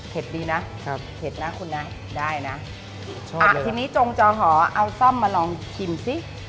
อ้อเผ็ดดีนะเผ็ดนะคุณนะได้นะชอบเลยทีนี้จงจอหอเอาซ่อมมาลองชิมสิ